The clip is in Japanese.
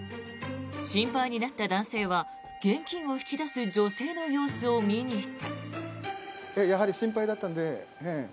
心配になった男性は現金を引き出す女性の様子を見に行った。